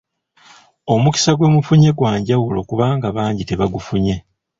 Omukisa gwe mufunye gwa njawulo kubanga bangi tebagufunye.